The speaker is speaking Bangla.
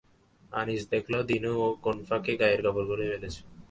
আনিস দেখল দিনু কোন ফাঁকে গায়ের কাপড় খুলে ফেলেছে।